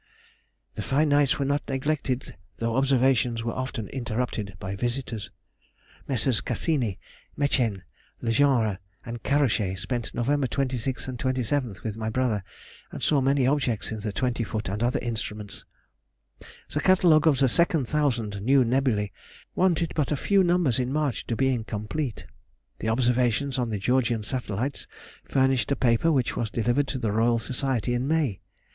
The fine nights were not neglected, though observations were often interrupted by visitors. Messrs. Cassini, Mechain, Le Genre, and Carochet spent November 26th and 27th with my brother, and saw many objects in the twenty foot and other instruments. [Sidenote: 1787 1788. Slough—Marriage of Dr. Herschel.] The Catalogue of the second thousand new nebulæ wanted but a few numbers in March to being complete. The observations on the Georgian satellites furnished a paper which was delivered to the Royal Society in May.